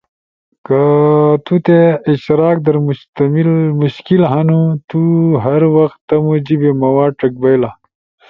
کہ تو تے اشتراک در مشکل ہنو، تو ہر وخ تمو جیبے مواد ڇک بئیلا۔